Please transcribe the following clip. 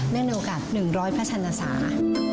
เนื่องในโอกาส๑๐๐พระชาญศาสตร์